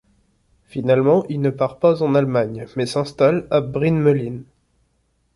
Finalement il ne part pas en Allemagne mais s'installe à Brynmelyn.